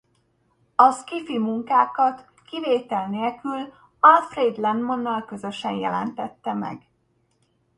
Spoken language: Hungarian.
A sci-fi munkákat kivétel nélkül Alfred Lemannal közösen jelentette meg.